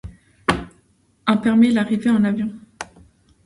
Un permet l'arrivée en avion.